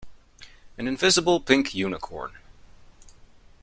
An invisible pink unicorn.